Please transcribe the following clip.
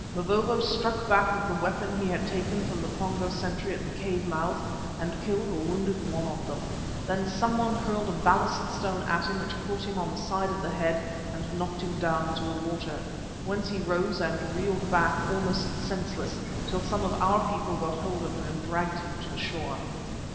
Mavovo struck back with the weapon he had taken from the Pongo sentry at the cave mouth, and killed or wounded one of them. Then some one hurled a ballast stone at him which caught him on the side of the head and knocked him down into the water, whence he rose and reeled back, almost senseless, till some of our people got hold of him and dragged him to the shore.